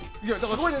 すごいね。